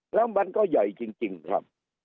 แล้วมันก็ใหญ่จริงครับ